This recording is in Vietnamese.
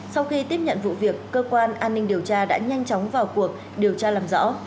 sau khi tiếp nhận vụ việc cơ quan an ninh điều tra đã nhanh chóng vào cuộc điều tra làm rõ